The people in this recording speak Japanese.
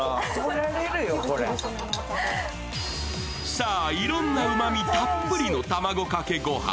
さぁ、いろんなうまみたっぷりの卵かけ御飯。